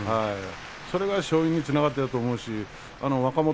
それが勝因につながっていると思うし若元